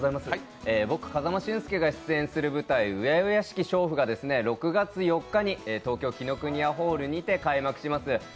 僕、風間俊介が出演する舞台「恭しき娼婦」が６月４日に東京紀伊國屋ホールにて開幕します。